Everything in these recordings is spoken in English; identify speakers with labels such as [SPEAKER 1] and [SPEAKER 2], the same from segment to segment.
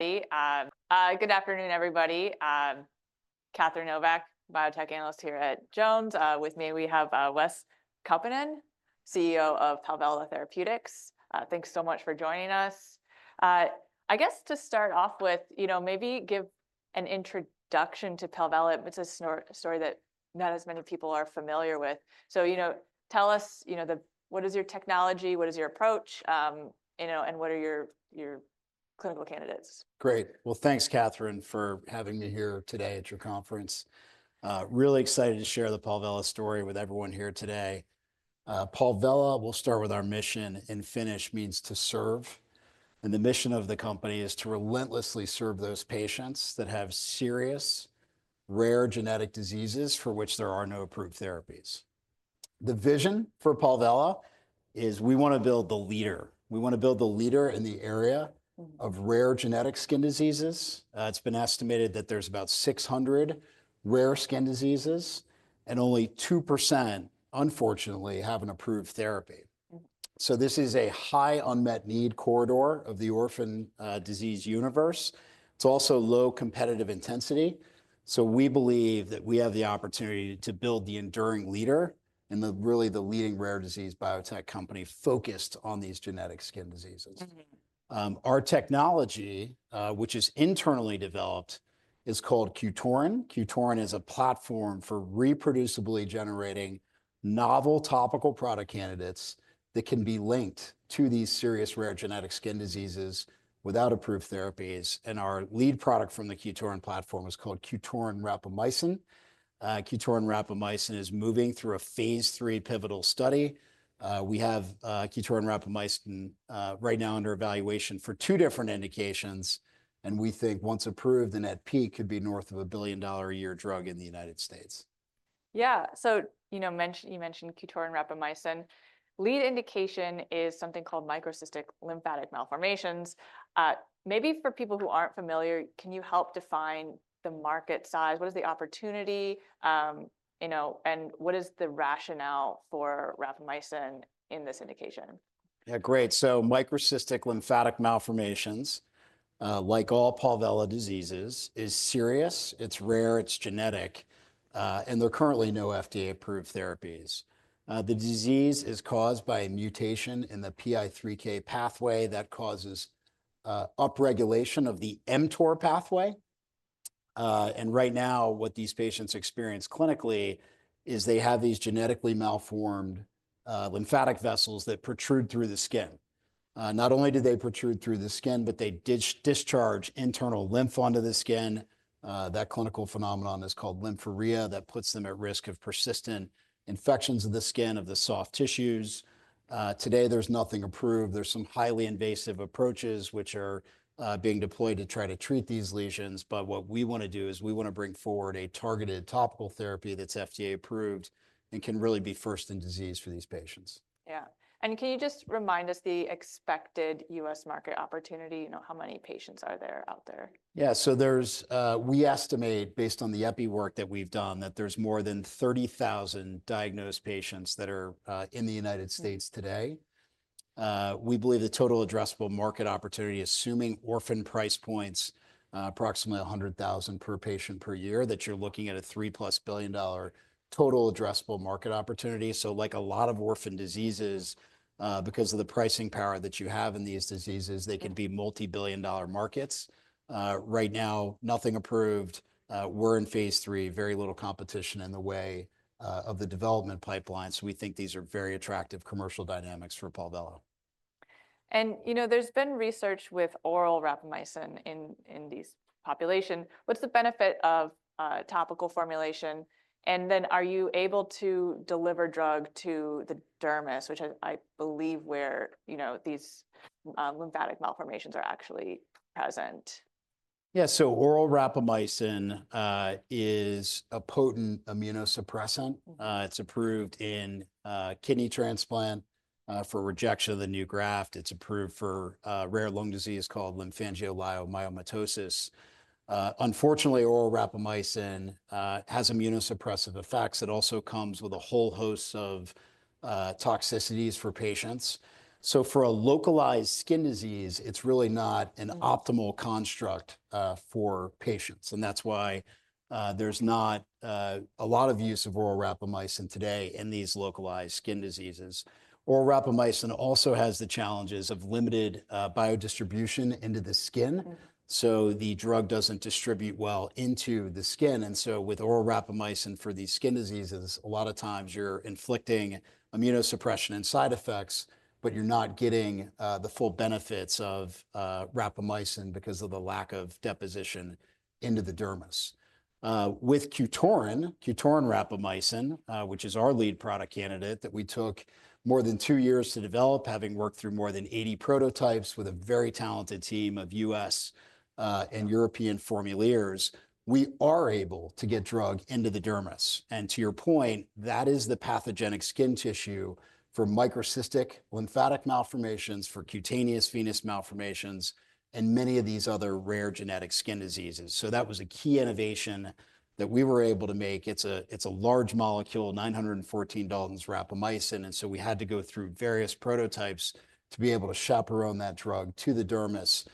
[SPEAKER 1] Good afternoon, everybody. Catherine Novack, biotech analyst here at Jones. With me, we have Wes Kaupinen, CEO of Palvella Therapeutics. Thanks so much for joining us. I guess to start off with, you know, maybe give an introduction to Palvella. It's a story that not as many people are familiar with. You know, tell us, you know, what is your technology? What is your approach? You know, and what are your clinical candidates?
[SPEAKER 2] Great. Thanks, Catherine, for having me here today at your conference. Really excited to share the Palvella story with everyone here today. Palvella, we'll start with our mission, and Finnish means to serve. The mission of the company is to relentlessly serve those patients that have serious, rare genetic diseases for which there are no approved therapies. The vision for Palvella is we want to build the leader. We want to build the leader in the area of rare genetic skin diseases. It's been estimated that there's about 600 rare skin diseases, and only 2%, unfortunately, have an approved therapy. This is a high unmet need corridor of the orphan disease universe. It's also low competitive intensity. We believe that we have the opportunity to build the enduring leader and the really the leading rare disease biotech company focused on these genetic skin diseases. Our technology, which is internally developed, is called QTORIN. QTORIN is a platform for reproducibly generating novel topical product candidates that can be linked to these serious rare genetic skin diseases without approved therapies. Our lead product from the QTORIN platform is called QTORIN rapamycin. QTORIN rapamycin is moving through a phase three pivotal study. We have QTORIN rapamycin right now under evaluation for two different indications. We think once approved, it could be north of a billion dollar a year drug in the United States.
[SPEAKER 1] Yeah. So, you know, mentioned—you mentioned QTORIN rapamycin. Lead indication is something called microcystic lymphatic malformations. Maybe for people who aren't familiar, can you help define the market size? What is the opportunity? You know, and what is the rationale for rapamycin in this indication?
[SPEAKER 2] Yeah, great. Microcystic lymphatic malformations, like all Palvella diseases, is serious. It's rare. It's genetic. There are currently no FDA-approved therapies. The disease is caused by a mutation in the PI3K pathway that causes upregulation of the mTOR pathway. Right now, what these patients experience clinically is they have these genetically malformed lymphatic vessels that protrude through the skin. Not only do they protrude through the skin, but they discharge internal lymph onto the skin. That clinical phenomenon is called lymphorrhea. That puts them at risk of persistent infections of the skin, of the soft tissues. Today, there's nothing approved. There's some highly invasive approaches which are being deployed to try to treat these lesions. What we want to do is we want to bring forward a targeted topical therapy that's FDA-approved and can really be first in disease for these patients.
[SPEAKER 1] Yeah. Can you just remind us the expected U.S. market opportunity? You know, how many patients are there out there?
[SPEAKER 2] Yeah. So we estimate, based on the epi work that we've done, that there's more than 30,000 diagnosed patients that are in the United States today. We believe the total addressable market opportunity, assuming orphan price points, approximately $100,000 per patient per year, that you're looking at a $3 billion-plus total addressable market opportunity. Like a lot of orphan diseases, because of the pricing power that you have in these diseases, they can be multi-billion dollar markets. Right now, nothing approved. We're in phase three, very little competition in the way of the development pipeline. We think these are very attractive commercial dynamics for Palvella.
[SPEAKER 1] You know, there's been research with oral rapamycin in these population. What's the benefit of topical formulation? And then are you able to deliver drug to the dermis, which I believe where, you know, these lymphatic malformations are actually present?
[SPEAKER 2] Yeah. Oral rapamycin is a potent immunosuppressant. It's approved in kidney transplant for rejection of the new graft. It's approved for a rare lung disease called lymphangioleiomyomatosis. Unfortunately, oral rapamycin has immunosuppressive effects. It also comes with a whole host of toxicities for patients. For a localized skin disease, it's really not an optimal construct for patients. That's why there's not a lot of use of oral rapamycin today in these localized skin diseases. Oral rapamycin also has the challenges of limited biodistribution into the skin. The drug doesn't distribute well into the skin. With oral rapamycin for these skin diseases, a lot of times you're inflicting immunosuppression and side effects, but you're not getting the full benefits of rapamycin because of the lack of deposition into the dermis. With QTORIN, QTORIN rapamycin, which is our lead product candidate that we took more than two years to develop, having worked through more than 80 prototypes with a very talented team of U.S. and European formulators we are able to get drug into the dermis. To your point, that is the pathogenic skin tissue for microcystic lymphatic malformations, for cutaneous venous malformations, and many of these other rare genetic skin diseases. That was a key innovation that we were able to make. It's a large molecule, 914 daltons rapamycin. We had to go through various prototypes to be able to chaperone that drug to the dermis,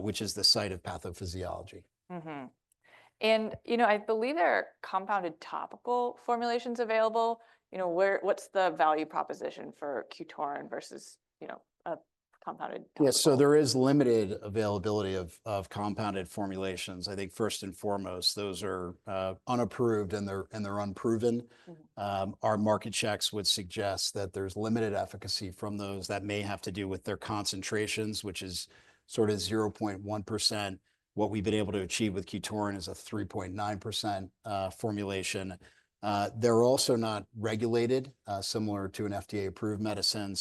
[SPEAKER 2] which is the site of pathophysiology.
[SPEAKER 1] Mm-hmm. You know, I believe there are compounded topical formulations available. You know, where—what's the value proposition for QTORIN versus, you know, a compounded?
[SPEAKER 2] Yeah. There is limited availability of compounded formulations. I think first and foremost, those are unapproved and they're unproven. Our market checks would suggest that there's limited efficacy from those that may have to do with their concentrations, which is sort of 0.1%. What we've been able to achieve with QTORIN is a 3.9% formulation. They're also not regulated, similar to an FDA-approved medicine.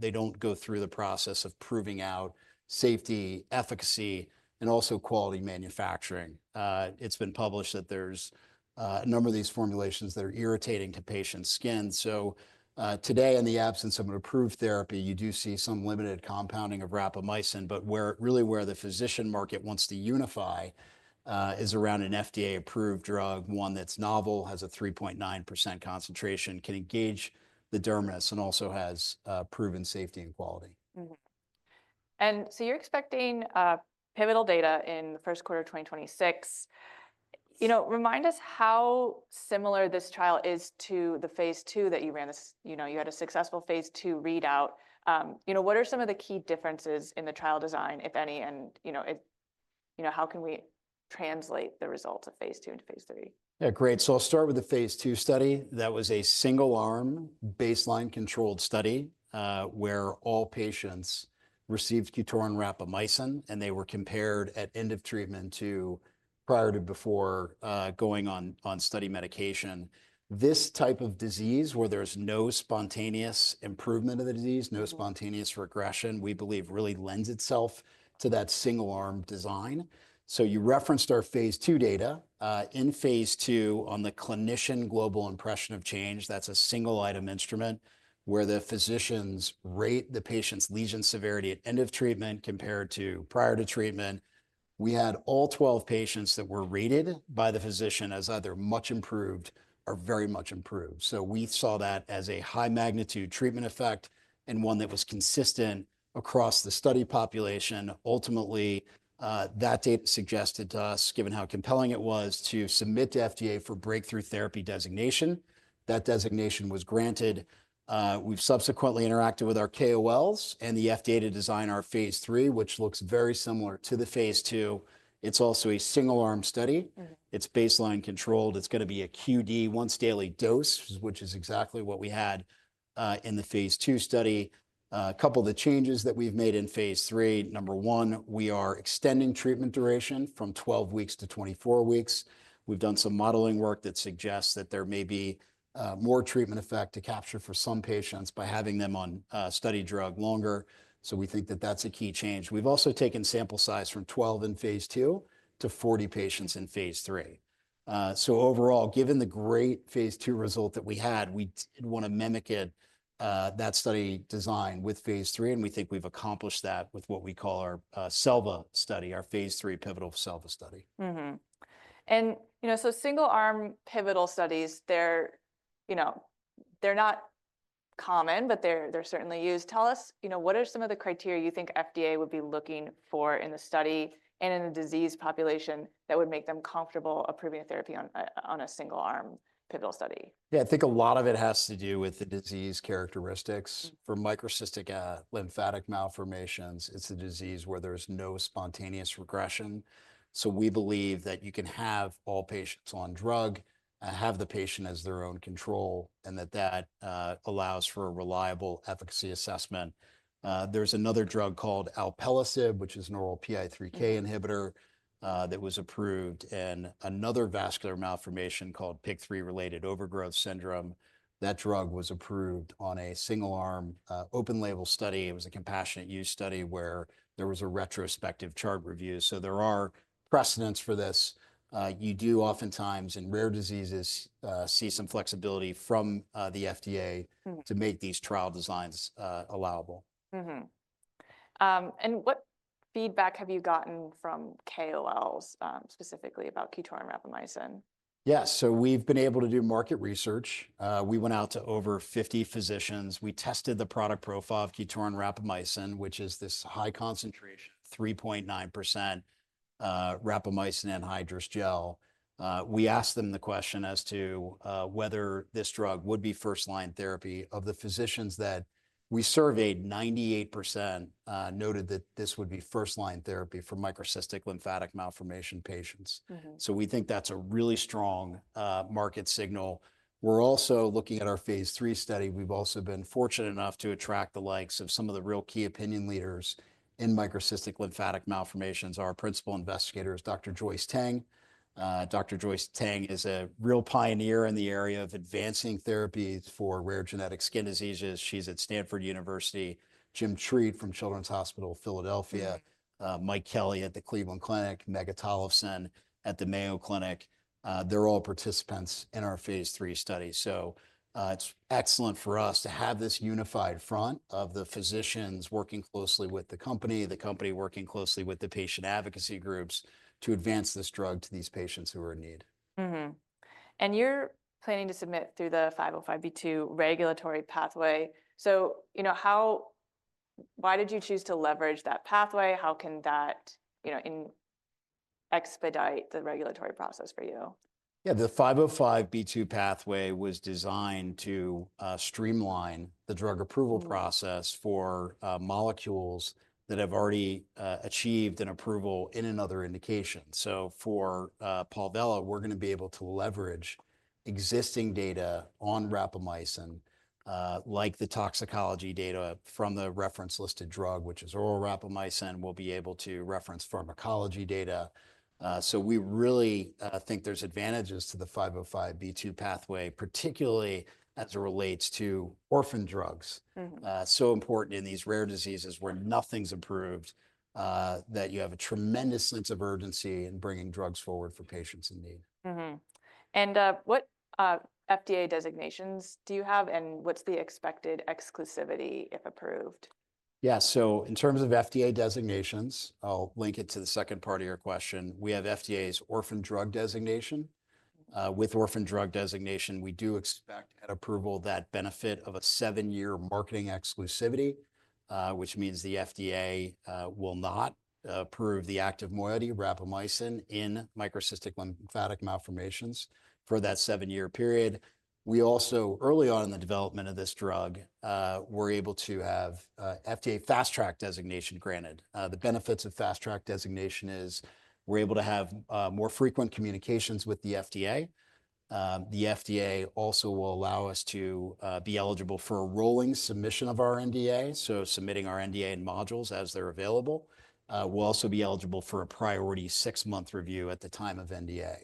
[SPEAKER 2] They don't go through the process of proving out safety, efficacy, and also quality manufacturing. It's been published that there's a number of these formulations that are irritating to patients' skin. Today, in the absence of an approved therapy, you do see some limited compounding of rapamycin. Really where the physician market wants to unify is around an FDA-approved drug, one that's novel, has a 3.9% concentration, can engage the dermis, and also has proven safety and quality.
[SPEAKER 1] You're expecting pivotal data in the first quarter of 2026. You know, remind us how similar this trial is to the phase two that you ran. You know, you had a successful phase two readout. You know, what are some of the key differences in the trial design, if any? You know, how can we translate the results of phase two into phase three?
[SPEAKER 2] Yeah, great. I'll start with the phase two study. That was a single-arm baseline controlled study, where all patients received QTORIN rapamycin, and they were compared at end of treatment to prior to before going on study medication. This type of disease, where there's no spontaneous improvement of the disease, no spontaneous regression, we believe really lends itself to that single-arm design. You referenced our phase two data. In phase two, on the clinician global impression of change, that's a single-item instrument where the physicians rate the patient's lesion severity at end of treatment compared to prior to treatment. We had all 12 patients that were rated by the physician as either much improved or very much improved. We saw that as a high-magnitude treatment effect and one that was consistent across the study population. Ultimately, that data suggested to us, given how compelling it was, to submit to FDA for breakthrough therapy designation. That designation was granted. We've subsequently interacted with our KOLs and the FDA to design our phase three, which looks very similar to the phase two. It's also a single-arm study. It's baseline controlled. It's going to be a QD once-daily dose, which is exactly what we had in the phase two study. A couple of the changes that we've made in phase three, number one, we are extending treatment duration from 12 weeks to 24 weeks. We've done some modeling work that suggests that there may be more treatment effect to capture for some patients by having them on study drug longer. We think that that's a key change. We've also taken sample size from 12 in phase two to 40 patients in phase three. Overall, given the great phase two result that we had, we did want to mimic that study design with phase three. We think we've accomplished that with what we call our SELVA study, our phase three pivotal SELVA study.
[SPEAKER 1] Mm-hmm. You know, single-arm pivotal studies, they're, you know, they're not common, but they're certainly used. Tell us, you know, what are some of the criteria you think FDA would be looking for in the study and in the disease population that would make them comfortable approving a therapy on a single-arm pivotal study?
[SPEAKER 2] Yeah, I think a lot of it has to do with the disease characteristics. For microcystic lymphatic malformations, it's a disease where there's no spontaneous regression. We believe that you can have all patients on drug, have the patient as their own control, and that allows for a reliable efficacy assessment. There's another drug called alpelisib, which is an oral PI3K inhibitor, that was approved in another vascular malformation called PIK3CA-related overgrowth syndrome. That drug was approved on a single-arm, open-label study. It was a compassionate use study where there was a retrospective chart review. There are precedents for this. You do oftentimes in rare diseases see some flexibility from the FDA to make these trial designs allowable.
[SPEAKER 1] Mm-hmm. And what feedback have you gotten from KOLs, specifically about QTORIN rapamycin?
[SPEAKER 2] Yeah. We've been able to do market research. We went out to over 50 physicians. We tested the product profile of QTORIN rapamycin, which is this high-concentration, 3.9% rapamycin anhydrous gel. We asked them the question as to whether this drug would be first-line therapy. Of the physicians that we surveyed, 98% noted that this would be first-line therapy for microcystic lymphatic malformation patients. We think that's a really strong market signal. We're also looking at our phase three study. We've also been fortunate enough to attract the likes of some of the real key opinion leaders in microcystic lymphatic malformations. Our principal investigator is Dr. Joyce Teng. Dr. Joyce Teng is a real pioneer in the area of advancing therapies for rare genetic skin diseases. She's at Stanford University, James Treat from Children's Hospital, Philadelphia, Michael Kelly at the Cleveland Clinic, Megha Tollefson at the Mayo Clinic. are all participants in our phase three study. It is excellent for us to have this unified front of the physicians working closely with the company, the company working closely with the patient advocacy groups to advance this drug to these patients who are in need.
[SPEAKER 1] Mm-hmm. You're planning to submit through the 505(b)(2) regulatory pathway. You know, how, why did you choose to leverage that pathway? How can that, you know, expedite the regulatory process for you?
[SPEAKER 2] Yeah, the 505(b)(2) pathway was designed to streamline the drug approval process for molecules that have already achieved an approval in another indication. For Palvella, we're going to be able to leverage existing data on rapamycin, like the toxicology data from the reference-listed drug, which is oral rapamycin. We'll be able to reference pharmacology data. We really think there's advantages to the 505(b)(2) pathway, particularly as it relates to orphan drugs. It is so important in these rare diseases where nothing's approved, that you have a tremendous sense of urgency in bringing drugs forward for patients in need.
[SPEAKER 1] Mm-hmm. What FDA designations do you have and what's the expected exclusivity if approved?
[SPEAKER 2] Yeah. In terms of FDA designations, I'll link it to the second part of your question. We have FDA's orphan drug designation. With orphan drug designation, we do expect at approval that benefit of a seven-year marketing exclusivity, which means the FDA will not approve the active moiety rapamycin in microcystic lymphatic malformations for that seven-year period. We also, early on in the development of this drug, were able to have FDA fast-track designation granted. The benefits of fast-track designation is we're able to have more frequent communications with the FDA. The FDA also will allow us to be eligible for a rolling submission of our NDA, so submitting our NDA in modules as they're available. We'll also be eligible for a priority six-month review at the time of NDA.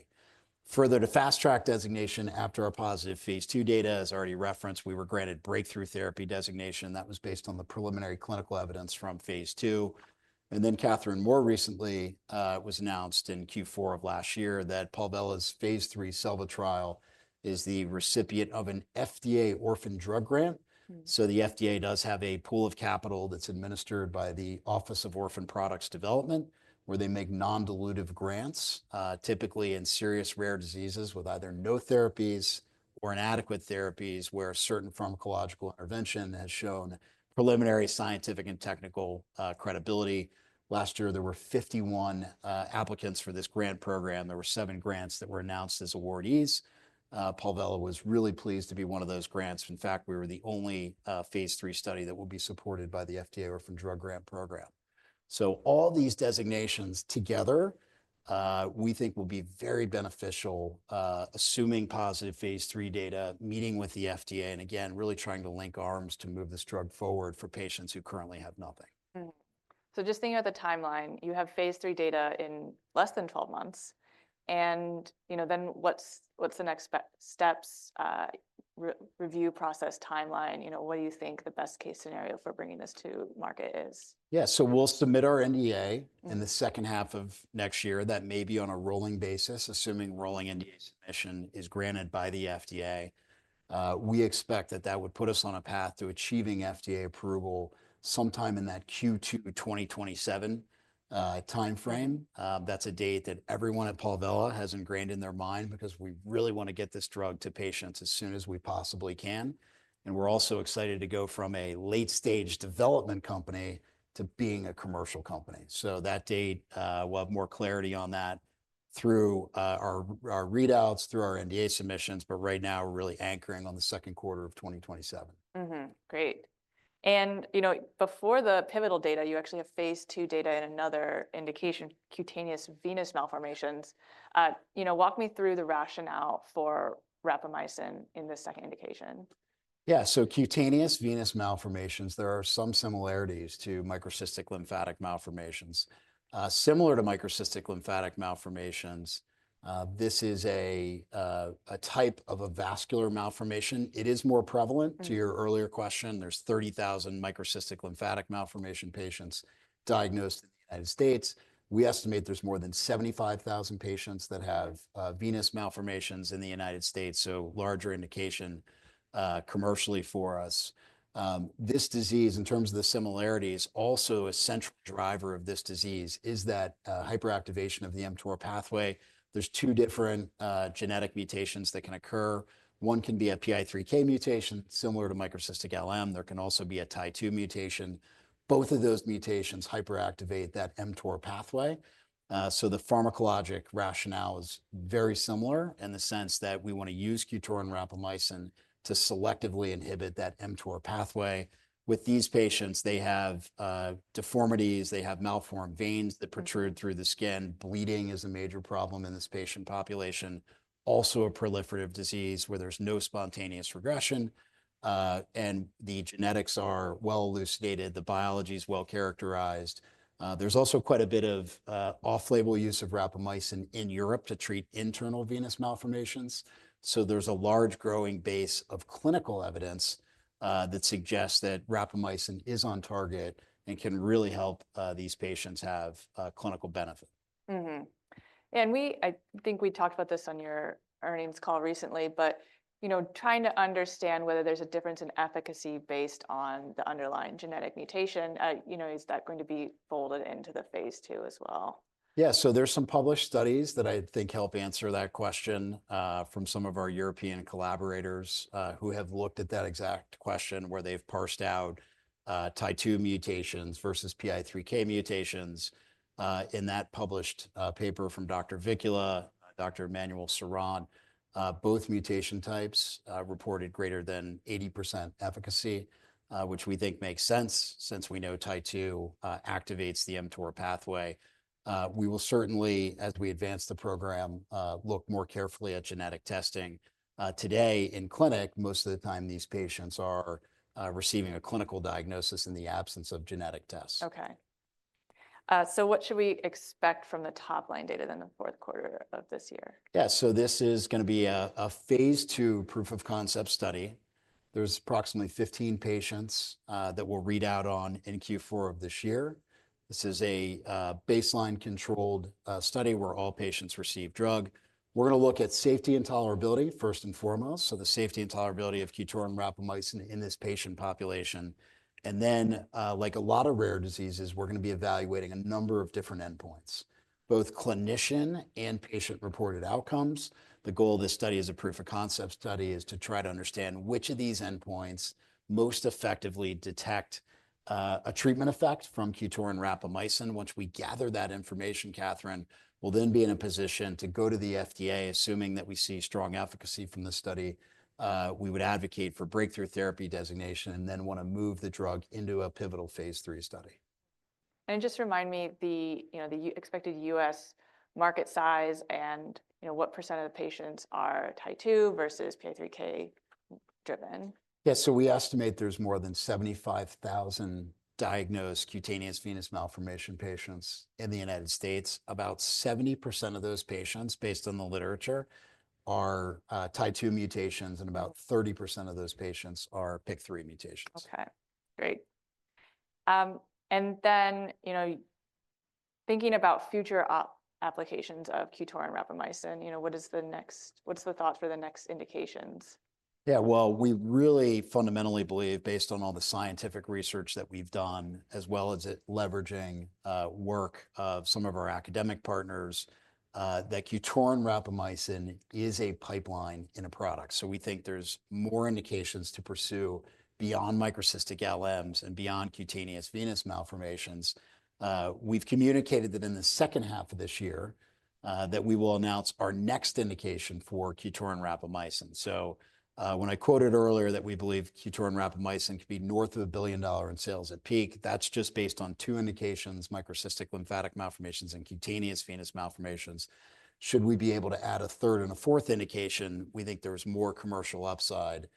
[SPEAKER 2] Further, to fast-track designation after our positive phase two data, as already referenced, we were granted breakthrough therapy designation. That was based on the preliminary clinical evidence from phase two. Catherine, more recently, it was announced in Q4 of last year that Palvella's phase three SELVA trial is the recipient of an FDA orphan drug grant. The FDA does have a pool of capital that's administered by the Office of Orphan Products Development, where they make non-dilutive grants, typically in serious rare diseases with either no therapies or inadequate therapies where a certain pharmacological intervention has shown preliminary scientific and technical credibility. Last year, there were 51 applicants for this grant program. There were seven grants that were announced as awardees. Palvella was really pleased to be one of those grants. In fact, we were the only phase three study that will be supported by the FDA orphan drug grant program. All these designations together, we think will be very beneficial, assuming positive phase three data, meeting with the FDA, and again, really trying to link arms to move this drug forward for patients who currently have nothing.
[SPEAKER 1] Mm-hmm. Just thinking about the timeline, you have phase three data in less than 12 months. You know, then what's, what's the next steps, review process timeline? You know, what do you think the best case scenario for bringing this to market is?
[SPEAKER 2] Yeah. So we'll submit our NDA in the second half of next year. That may be on a rolling basis, assuming rolling NDA submission is granted by the FDA. We expect that that would put us on a path to achieving FDA approval sometime in that Q2 2027 timeframe. That's a date that everyone at Palvella has ingrained in their mind because we really want to get this drug to patients as soon as we possibly can. We are also excited to go from a late-stage development company to being a commercial company. That date, we'll have more clarity on that through our readouts, through our NDA submissions. Right now, we're really anchoring on the second quarter of 2027.
[SPEAKER 1] Mm-hmm. Great. You know, before the pivotal data, you actually have phase two data in another indication, cutaneous venous malformations. You know, walk me through the rationale for rapamycin in this second indication.
[SPEAKER 2] Yeah. Cutaneous venous malformations, there are some similarities to microcystic lymphatic malformations. Similar to microcystic lymphatic malformations, this is a type of a vascular malformation. It is more prevalent. To your earlier question, there's 30,000 microcystic lymphatic malformation patients diagnosed in the United States. We estimate there's more than 75,000 patients that have venous malformations in the United States. Larger indication, commercially for us. This disease, in terms of the similarities, also a central driver of this disease is that hyperactivation of the mTOR pathway. There's two different genetic mutations that can occur. One can be a PI3K mutation, similar to microcystic LM. There can also be a TEK mutation. Both of those mutations hyperactivate that mTOR pathway. The pharmacologic rationale is very similar in the sense that we want to use QTORIN rapamycin to selectively inhibit that mTOR pathway. With these patients, they have deformities. They have malformed veins that protrude through the skin. Bleeding is a major problem in this patient population. Also a proliferative disease where there's no spontaneous regression. The genetics are well elucidated. The biology is well characterized. There is also quite a bit of off-label use of rapamycin in Europe to treat internal venous malformations. There is a large growing base of clinical evidence that suggests that rapamycin is on target and can really help these patients have clinical benefit.
[SPEAKER 1] Mm-hmm. We, I think we talked about this on your earnings call recently, but, you know, trying to understand whether there's a difference in efficacy based on the underlying genetic mutation, you know, is that going to be folded into the phase two as well?
[SPEAKER 2] Yeah. There are some published studies that I think help answer that question, from some of our European collaborators, who have looked at that exact question where they've parsed out, TEK mutations versus PI3K mutations. In that published paper from Dr. Miikka Vikkula, Dr. Emmanuel Seront, both mutation types reported greater than 80% efficacy, which we think makes sense since we know TEK activates the mTOR pathway. We will certainly, as we advance the program, look more carefully at genetic testing. Today in clinic, most of the time these patients are receiving a clinical diagnosis in the absence of genetic tests.
[SPEAKER 1] Okay. What should we expect from the top-line data then the fourth quarter of this year?
[SPEAKER 2] Yeah. This is going to be a phase two proof of concept study. There's approximately 15 patients that we'll read out on in Q4 of this year. This is a baseline controlled study where all patients receive drug. We're going to look at safety and tolerability first and foremost. The safety and tolerability of QTORIN rapamycin in this patient population. Then, like a lot of rare diseases, we're going to be evaluating a number of different endpoints, both clinician and patient-reported outcomes. The goal of this study as a proof of concept study is to try to understand which of these endpoints most effectively detect a treatment effect from QTORIN rapamycin. Once we gather that information, Catherine, we'll then be in a position to go to the FDA, assuming that we see strong efficacy from the study. We would advocate for breakthrough therapy designation and then want to move the drug into a pivotal phase three study.
[SPEAKER 1] Just remind me the, you know, the expected U.S. market size and, you know, what percent of the patients are TEK versus PI3K driven?
[SPEAKER 2] Yeah. We estimate there's more than 75,000 diagnosed cutaneous venous malformation patients in the United States. About 70% of those patients, based on the literature, are TEK mutations, and about 30% of those patients are PI3K mutations.
[SPEAKER 1] Okay. Great. And then, you know, thinking about future applications of QTORIN rapamycin, you know, what is the next, what's the thought for the next indications?
[SPEAKER 2] Yeah. We really fundamentally believe, based on all the scientific research that we've done, as well as it leveraging work of some of our academic partners, that QTORIN rapamycin is a pipeline in a product. We think there's more indications to pursue beyond microcystic LMs and beyond cutaneous venous malformations. We've communicated that in the second half of this year, we will announce our next indication for QTORIN rapamycin. When I quoted earlier that we believe QTORIN rapamycin could be north of $1 billion in sales at peak, that's just based on two indications: microcystic lymphatic malformations and cutaneous venous malformations. Should we be able to add a third and a fourth indication, we think there's more commercial upside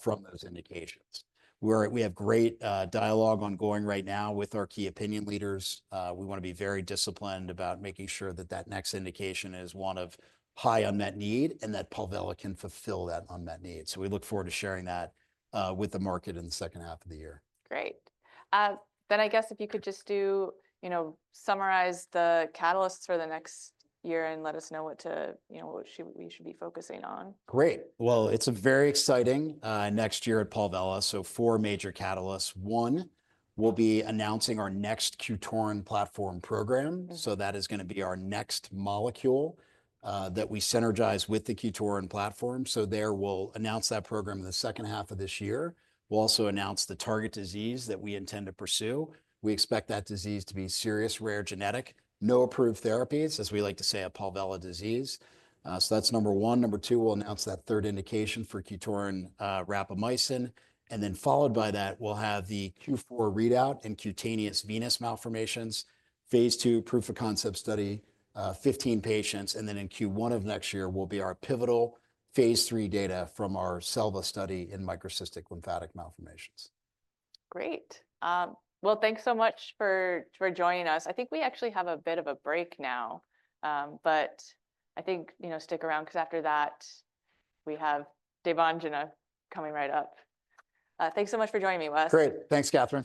[SPEAKER 2] from those indications. We have great dialogue ongoing right now with our key opinion leaders. We want to be very disciplined about making sure that that next indication is one of high unmet need and that Palvella can fulfill that unmet need. We look forward to sharing that with the market in the second half of the year.
[SPEAKER 1] Great. Then I guess if you could just do, you know, summarize the catalysts for the next year and let us know what to, you know, what should we should be focusing on.
[SPEAKER 2] Great. It is a very exciting next year at Palvella. Four major catalysts. One will be announcing our next QTORIN platform program. That is going to be our next molecule that we synergize with the QTORIN platform. We will announce that program in the second half of this year. We will also announce the target disease that we intend to pursue. We expect that disease to be serious, rare, genetic, no approved therapies, as we like to say at Palvella disease. That is number one. Number two, we will announce that third indication for QTORIN rapamycin. Followed by that, we will have the Q4 readout in cutaneous venous malformations, phase two proof of concept study, 15 patients. In Q1 of next year, we will have our pivotal phase three data from our SELVA study in microcystic lymphatic malformations.
[SPEAKER 1] Great. Thanks so much for joining us. I think we actually have a bit of a break now. I think, you know, stick around because after that, we have Dave Angulo coming right up. Thanks so much for joining me, Wes.
[SPEAKER 2] Great. Thanks, Catherine.